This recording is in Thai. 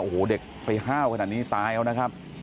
โอ้โหเด็กไปห้าวขนาดนี้ตายเอานะครับ